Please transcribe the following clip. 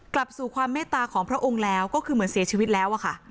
กลับสู่ความเมตตาของพระองค์แล้วก็คือเหมือนเสียชีวิตแล้วอะค่ะ